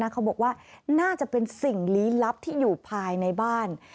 เขาบอกว่าน่าจะเป็นสิ่งลี้ลับที่อยู่ภายในบ้าน